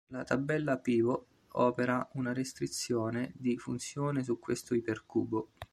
La tabella pivot opera una restrizione di funzione su questo ipercubo.